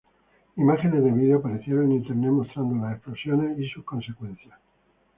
Imágenes de video aparecieron en internet mostrando las explosiones y sus consecuencias.